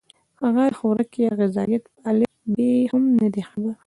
هغه د خوراک يا غذائيت پۀ الف ب هم نۀ دي خبر